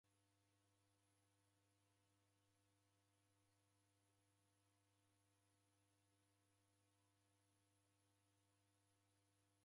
Kuoma kukachumba kwadareda ndengwa mbaa kwa walimi na walisha.